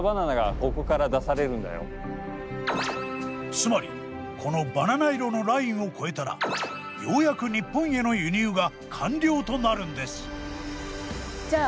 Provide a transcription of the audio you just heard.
つまりこのバナナ色のラインを越えたらようやく日本への輸入が完了となるんです。